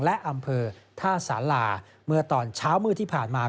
และอำเภอท่าสาราเมื่อตอนเช้ามืดที่ผ่านมา